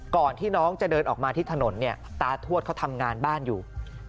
ก่อนที่น้องจะเดินออกมาที่ถนนเนี่ยตาทวดเขาทำงานบ้านอยู่